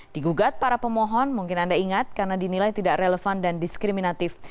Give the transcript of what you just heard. digugat para pemohon mungkin anda ingat karena dinilai tidak relevan dan diskriminatif